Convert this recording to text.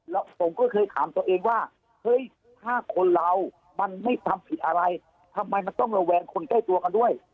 แล้วผมก็เคยถามตัวเองว่าเฮ้ยถ้าคนเรามันไม่ทำผิดอะไรทำไมมันต้องระแวงคนใกล้ตัวกันด้วย